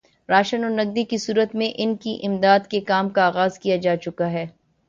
ration اور نقدی کی صورت میں ان کی امداد کے کام کا آغاز کیا جا چکا ہے